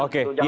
oke ya baik